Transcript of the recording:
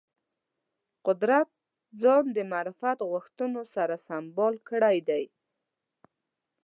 قدرت ځان د معرفت غوښتنو سره سمبال کړی دی